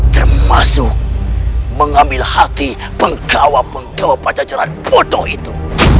termasuk mengambil hati penggawa penggawa pajajaran bodoh itu